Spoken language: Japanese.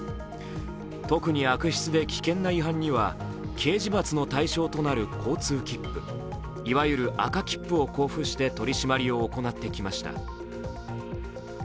特に悪質で危険な違反には刑事罰の対象となる警告、いわゆる赤切符を交付して取り締まりを行ってきました。